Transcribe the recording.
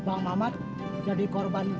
bang mamat jadi korban